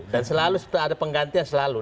dan selalu ada penggantian selalu